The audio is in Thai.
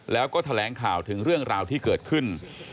แล้วก็แถลงข่าวถึงเรื่องราวที่เกิดขึ้น